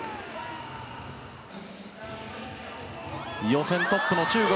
予選トップの中国。